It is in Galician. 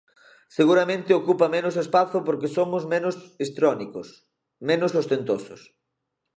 Seguramente ocupa menos espazo porque somos menos histriónicos, menos ostentosos.